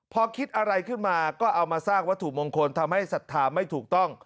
พอคิดอะไรขึ้นมาก็เอามาสร้างวัตถุมงคลทำให้ศรัทธาไม่ถูกต้อง